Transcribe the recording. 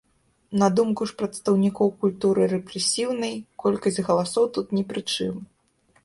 На думку ж прадстаўнікоў культуры рэпрэсіўнай, колькасць галасоў тут не пры чым.